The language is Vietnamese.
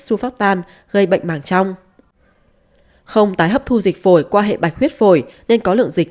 xu phát tan gây bệnh màng trong không tái hấp thu dịch phổi qua hệ bạch huyết phổi nên có lượng dịch